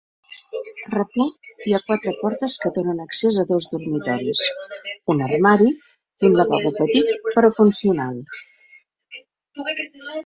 Al replà hi ha quatre portes que donen accés a dos dormitoris, un armari i un lavabo petit però funcional.